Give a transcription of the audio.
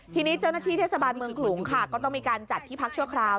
ทีนี้เจ้าหน้าที่เทศบาลเมืองขลุงค่ะก็ต้องมีการจัดที่พักชั่วคราว